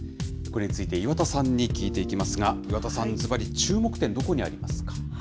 これについて、岩田さんに聞いていきますが、岩田さん、ずばり注目点、どこにありますか。